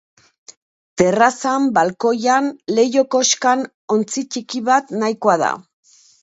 Terrazan, balkoian, leiho-koskan ontzi ttiki bat nahikoa da.